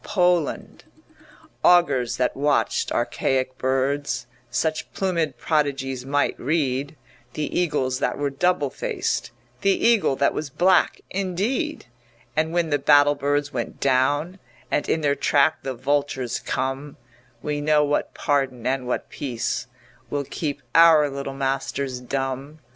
POLAND Augurs that watched archaic birds Such plumèd prodigies might read, The eagles that were double faced, The eagle that was black indeed; And when the battle birds went down And in their track the vultures come, We know what pardon and what peace Will keep our little masters dumb.